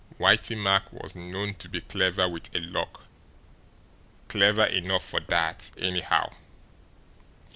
Whitey Mack was known to be clever with a lock clever enough for that, anyhow.